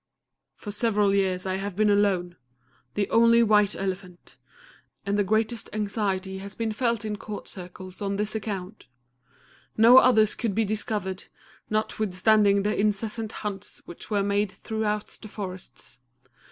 "For several years I have been alone the only White Elephant and the greatest anxiety has been felt in Court Circles on this account. No others could be discovered, notwithstanding the incessant hunts which were made throughout the forests.